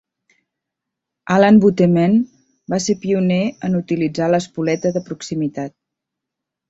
Alan Butement va ser pioner en utilitzar l'espoleta de proximitat.